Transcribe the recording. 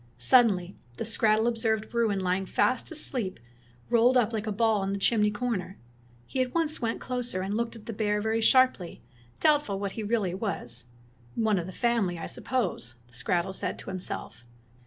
Suddenly the skrattel observed Bruin lying fast asleep rolled up like a ball in the 23 Fairy Tale Bears chimney corner. He at once went closer and looked at the bear very sharply, doubtful what he really was. "One of the family, I suppose," the skrattel said to himself.